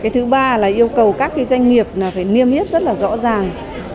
thứ ba là yêu cầu các doanh nghiệp phải niêm yết rất là rõ ràng